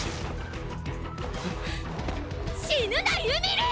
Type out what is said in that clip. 死ぬなユミル！！